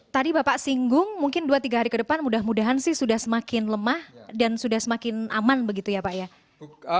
tadi bapak singgung mungkin dua tiga hari ke depan mudah mudahan sih sudah semakin lemah dan sudah semakin aman begitu ya pak ya